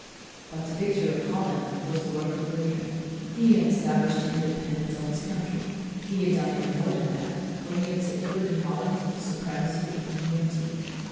But the victory of Holland was the work of William. He had established the in dependence of his country. He had done even more than that, for he had secured in Holland the supremacy of a new idea.